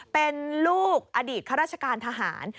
เป็นลูกอดีตข้าราชการทหาร